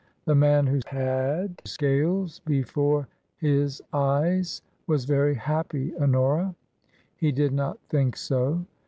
The man who had scales before his eyes was very happy, Honora." "He did not think so."